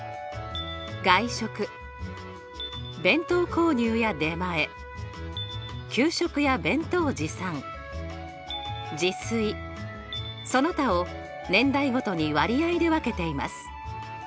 外食弁当購入や出前給食や弁当持参自炊その他を年代ごとに割合で分けています。